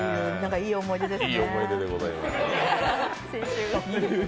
いい思い出ですね。